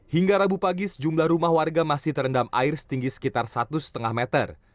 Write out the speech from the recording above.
hingga rabu pagi sejumlah rumah warga masih terendam air setinggi sekitar satu lima meter